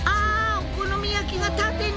お好み焼きが縦に！